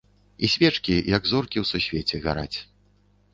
І свечкі, як зоркі ў сусвеце, гараць.